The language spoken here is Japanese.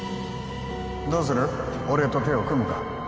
どうする俺と手を組むか？